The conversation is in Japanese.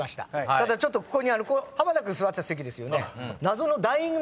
ただちょっとここにある濱田君座ってた席ですよね。